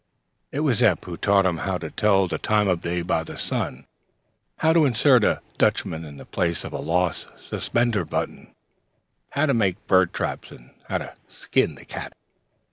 It was Eph who taught him how to tell the time of day by the sun; how to insert a "dutchman" in the place of a lost suspender button; how to make bird traps; and how to "skin the cat."